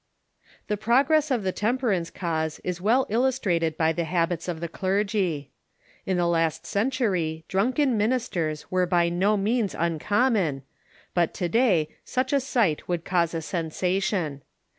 The progress of the temperance cause is well illustrated by the habits of the clergy. In the last centuiy drunken minis ters were by no means uncommon, but to day such a sight would cause a sensation.